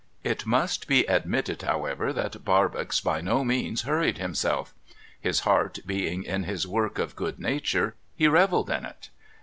It must be admitted, however, that Barbox by no means hurried himself. His heart being in his work of good nature, he revelled in it.